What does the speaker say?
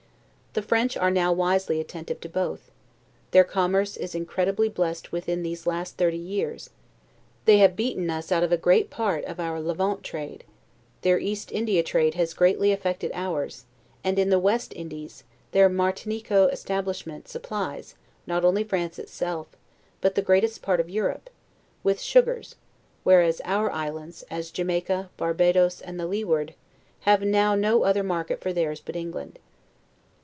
The French are now wisely attentive to both; their commerce is incredibly increased within these last thirty years; they have beaten us out of great part of our Levant trade; their East India trade has greatly affected ours; and, in the West Indies, their Martinico establishment supplies, not only France itself, but the greatest part of Europe, with sugars whereas our islands, as Jamaica, Barbadoes, and the Leeward, have now no other market for theirs but England.